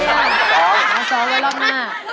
เอาซ้อมไว้รอบหน้า